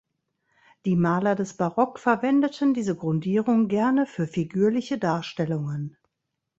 Die Maler des Barock verwendeten diese Grundierung gerne für figürliche Darstellungen.